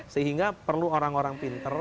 sehingga perlu orang orang pinter